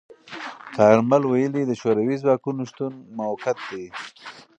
کارمل ویلي، د شوروي ځواکونو شتون موقت دی.